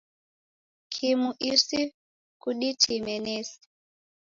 Kimu isi kuditime nesi.